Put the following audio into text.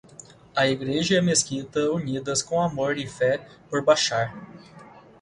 A Igreja e a Mesquita unidas, com amor e fé, por Bashar